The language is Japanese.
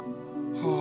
はあ。